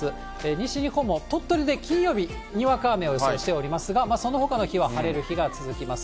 西日本も、鳥取で金曜日、にわか雨を予想していますが、そのほかの日は晴れる日が続きます。